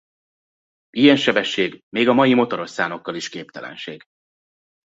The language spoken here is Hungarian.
Ilyen sebesség még a mai motoros szánokkal is képtelenség.